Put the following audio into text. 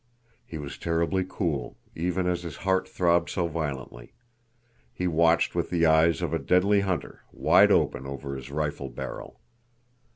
He was terribly cool, even as his heart throbbed so violently. He watched with the eyes of a deadly hunter, wide open over his rifle barrel.